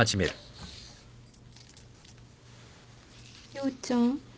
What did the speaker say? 陽ちゃん。